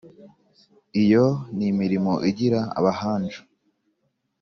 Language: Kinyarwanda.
iyo ni imirimo igira abahanju